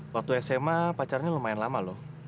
waktu sma pacarnya lumayan lama loh